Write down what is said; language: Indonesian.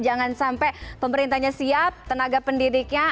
jangan sampai pemerintahnya siap tenaga pendidiknya